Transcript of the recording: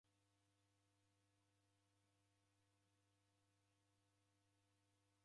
Magare ghiseko nicha ndeghifwane kuendeshwa.